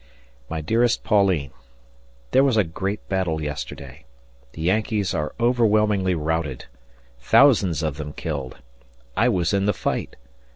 My dearest Pauline: There was a great battle yesterday. The Yankees are overwhelmingly routed. Thousands of them killed. I was in the fight.